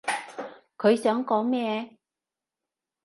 佢想講咩？